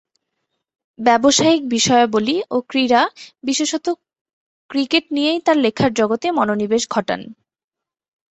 ব্যবসায়িক বিষয়াবলী ও ক্রীড়া বিশেষতঃ ক্রিকেট নিয়েই তার লেখার জগতে মনোনিবেশ ঘটান।